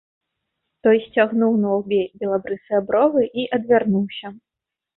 Той сцягнуў на лбе белабрысыя бровы і адвярнуўся.